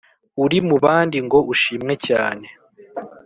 uri mu bandi ngo ushimwe cyane